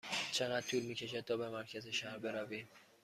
چقدر طول می کشد تا به مرکز شهر برویم؟